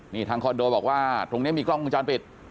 นี่ทางคอนโดบอกว่าตรงนี้มีกล้องวงจรปิด